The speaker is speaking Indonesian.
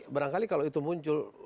barangkali kalau itu muncul